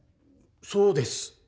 そうです！